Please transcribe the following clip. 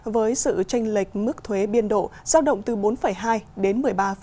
với sự tranh lệch mức thuế biên độ giao động từ bốn hai đến một mươi ba